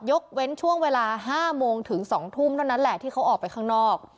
ยกเว้นช่วงเวลา๕โมงถึง๒ทุ่มเท่านั้นแหละที่เขาออกไปข้างนอก